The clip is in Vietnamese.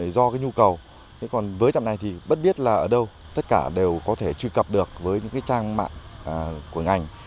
do nhu cầu còn với trạm này thì bất biết là ở đâu tất cả đều có thể truy cập được với những trang mạng của ngành